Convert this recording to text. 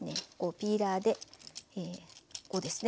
ピーラーでこうですね。